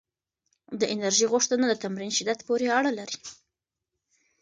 د انرژۍ غوښتنه د تمرین شدت پورې اړه لري؟